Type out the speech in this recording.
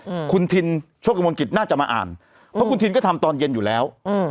อืมคุณทินโชคกระมวลกิจน่าจะมาอ่านเพราะคุณทินก็ทำตอนเย็นอยู่แล้วอืม